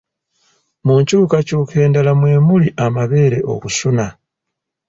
Mu nkyukakyuka endala mwe muli amabeere okusuna.